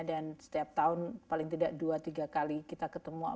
dan setiap tahun paling tidak dua tiga kali kita ketemu